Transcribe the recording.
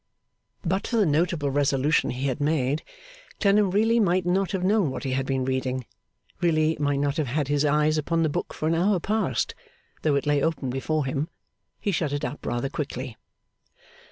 But for the notable resolution he had made, Clennam really might not have known what he had been reading; really might not have had his eyes upon the book for an hour past, though it lay open before him. He shut it up, rather quickly.